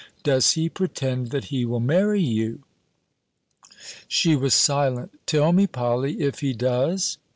Does he pretend that he will marry you?" She was silent. "Tell me, Polly, if he does?"